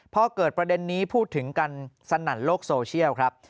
พอเกิดประเด็นนี้พูดถึงกันสนั่นโลกโซเชียลครับ